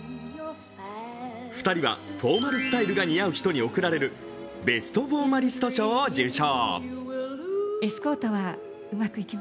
２人はフォーマルスタイルが似合う人に贈られるベストフォーマリスト賞を受賞。